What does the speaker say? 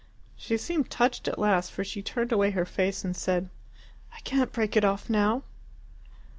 She seemed touched at last, for she turned away her face and said, "I can't break it off now!"